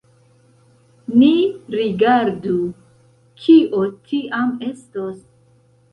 Ni rigardu, kio tiam estos.